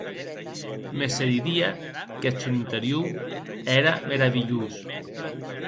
Mès se didie qu'eth sòn interior ère meravilhós.